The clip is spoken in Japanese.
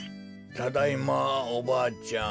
ただいまおばあちゃん。